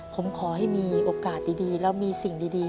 ผมขอให้มีโอกาสดีแล้วมีสิ่งดี